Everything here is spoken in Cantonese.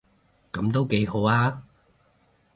噉都幾好吖